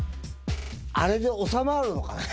あれで収まるのかね。